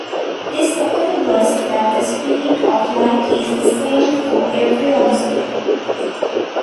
The second was that the speed of light is the same for every observer.